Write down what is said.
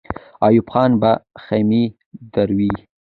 ایوب خان به خېمې دروي.